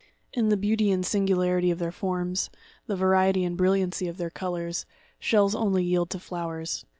In the beauty and singularity of their forms, the variety and brilliancy of their colours, shells only yield to flowers.